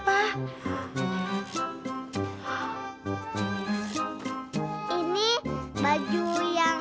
iya ini baju siap